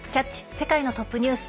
世界のトップニュース」。